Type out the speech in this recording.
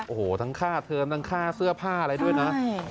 โอ้โหทั้งค่าเทอมทั้งค่าเสื้อผ้าอะไรด้วยนะ